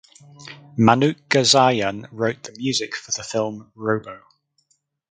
Manuk Ghazaryan wrote the music for the film "Robo".